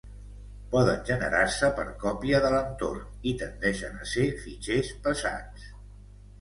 Poden generar-se per còpia de l’entorn i tendeixen a ser fitxers pesats.